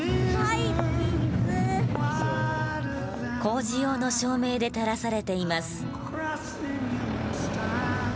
工事用の照明で照らされています。